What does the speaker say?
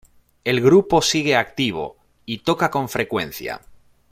El grupo sigue activo y toca con frecuencia.